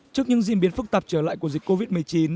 trước những diễn biến phức tạp trở lại của dịch covid một mươi chín